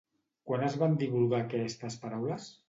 Quan es van divulgar aquestes paraules?